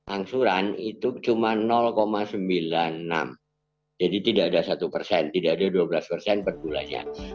angsuran itu cuma sembilan puluh enam jadi tidak ada satu persen tidak ada dua belas persen per bulannya